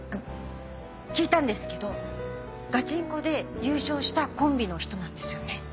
聞いたんですけど『ガチンコ！』で優勝したコンビの人なんですよね？